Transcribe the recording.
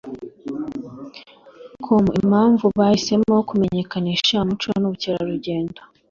com impamvu bahisemo kumenyekanisha umuco n'ubukerarugendo